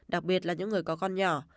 đặc biệt là những người có con nhỏ